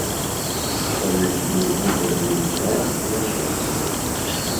Саюз быў выгадны і нам, і расейцам.